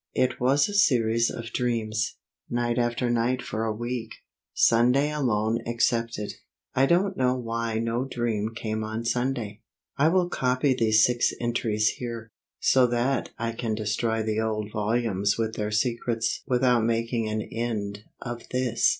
It was a series of dreams; night after night for a week, Sunday alone excepted. I don't know why no dream came on Sunday. I will copy these six entries here, so that I can destroy the old volumes with their secrets without making an end of this.